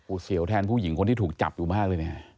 เสียวแทนผู้หญิงคนที่ถูกจับอยู่มากเลยเนี่ย